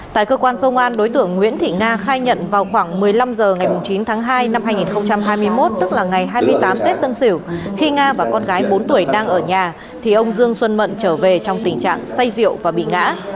tại cơ quan công an đối tượng nguyễn thị nga khai nhận vào khoảng một mươi năm h ngày chín tháng hai năm hai nghìn hai mươi một tức là ngày hai mươi tám tết tân sửu khi nga và con gái bốn tuổi đang ở nhà thì ông dương xuân mận trở về trong tình trạng say rượu và bị ngã